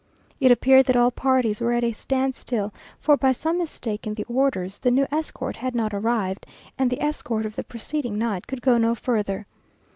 It appeared that all parties were at a standstill, for, by some mistake in the orders, the new escort had not arrived, and the escort of the preceding night could go no further.